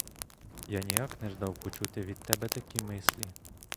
Я ніяк не ждав почути від тебе такі мислі.